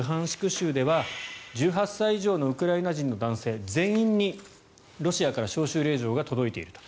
州では１８歳以上のウクライナ人の男性全員にロシアから招集令状が届いていると。